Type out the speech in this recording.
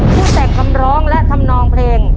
แต่งคำร้องและทำนองเพลง